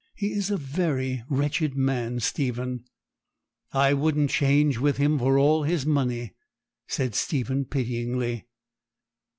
He is a very wretched man, Stephen.' 'I wouldn't change with him for all his money,' said Stephen pityingly.